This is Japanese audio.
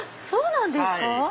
そうなんですか。